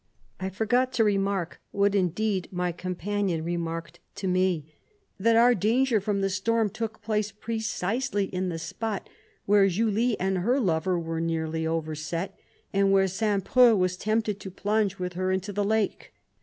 133 I forgot to remark, what indeed my companion remarked to me, that our danger from the storm took place pre cisely in the spot where Julie and her lover were nearly overset, and where St. Preux was tempted to plunge with her into the lake.